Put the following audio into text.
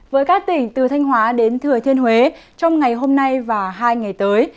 với các tỉnh từ thanh hóa đến thừa thiên huế trong ngày hôm nay và hai ngày tới